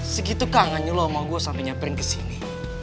segitu kangennya lo mau gue sampe nyamperin kesini